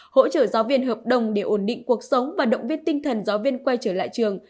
hỗ trợ giáo viên hợp đồng để ổn định cuộc sống và động viên tinh thần giáo viên quay trở lại trường